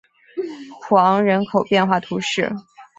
普昂人口变化图示